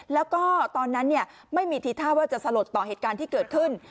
แล้วก็ตอนนั้นไม่มีทีท่าว่าจะสลดต่อเหตุการณ์ที่เกิดขึ้น